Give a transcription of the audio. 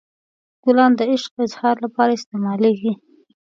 ګلان د عشق اظهار لپاره استعمالیږي.